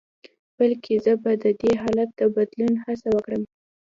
بلکې زه به د دې حالت د بدلون هڅه وکړم.